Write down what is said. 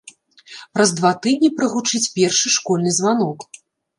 Праз два тыдні прагучыць першы школьны званок.